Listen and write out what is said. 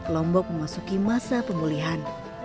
lombok memasuki masa pemulihan